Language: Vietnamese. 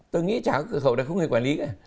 tôi nghĩ chả có cửa khẩu đâu không có người quản lý cả